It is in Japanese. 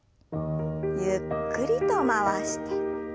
ゆっくりと回して。